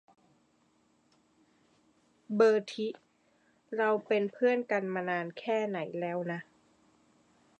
เบอร์ทิ เราเป็นเพือนกันมานานแค่ไหนแล้วนะ ?